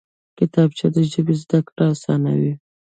کتابچه د ژبې زده کړه اسانوي